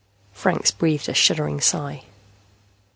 Franks breathed a shuddering sigh.